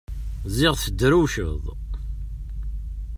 Ziɣ tedrewceḍ!